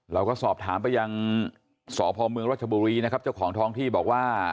เราก็สอบถามไปยังสพเมืองรัชบุรีนะครับเจ้าของท้องที่บอกว่า